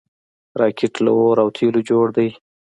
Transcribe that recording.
راکټ له اور او تیلو جوړ دی